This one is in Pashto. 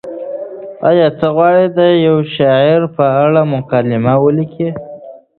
ایا ته غواړې د یو شاعر په اړه مقاله ولیکې؟